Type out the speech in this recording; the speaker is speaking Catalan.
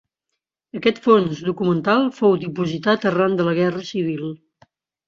Aquest fons documental fou dipositat arran de la guerra civil.